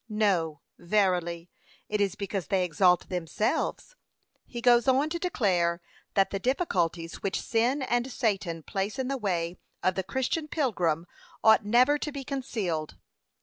No, verily; it is because they exalt themselves.' p.538. He goes on to declare that the difficulties which sin and Satan place in the way of the Christian pilgrim ought never to be concealed.